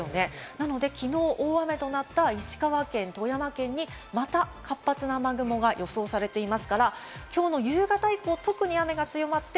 なので、きのう大雨となった石川県、富山県にまた活発な雨雲が予想されていますから、きょうの夕方以降、特に雨が強まって、